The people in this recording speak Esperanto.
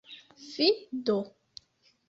Fi do!